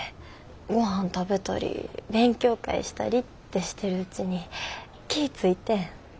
ごはん食べたり勉強会したりってしてるうちに気ぃ付いてん。